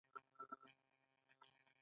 هغه د ستوري په بڼه د مینې سمبول جوړ کړ.